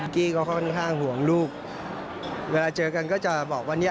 กี้ก็ค่อนข้างห่วงลูกเวลาเจอกันก็จะบอกว่าเนี่ย